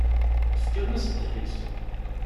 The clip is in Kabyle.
Tefkamt-as ddḥis.